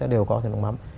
đều có sản xuất nước mắm